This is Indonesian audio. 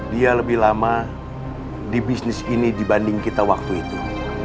dia lebih lama di bisnis ini dibanding kita waktu itu